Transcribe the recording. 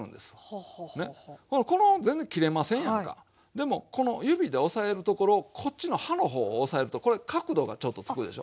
でもこの指で押さえるところをこっちの刃の方を押さえるとこれ角度がちょっとつくでしょ。